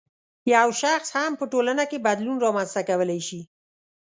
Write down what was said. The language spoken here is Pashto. یو شخص هم په ټولنه کې بدلون رامنځته کولای شي.